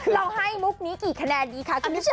เราให้มุกนี้กี่คะแนนดีคะคุณผู้ชม